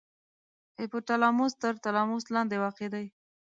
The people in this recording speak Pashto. هایپو تلاموس تر تلاموس لاندې واقع دی.